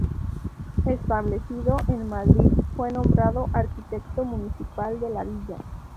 Establecido en Madrid, fue nombrado arquitecto municipal de la Villa.